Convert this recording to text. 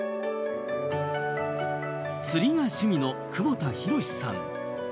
釣りが趣味の久保田博さん。